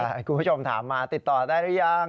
แบบนี้ครับคุณผู้ชมถามมาติดต่อได้รึยัง